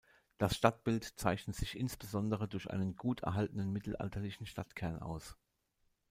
Das Stadtbild zeichnet sich insbesondere durch einen gut erhaltenen mittelalterlichen Stadtkern aus.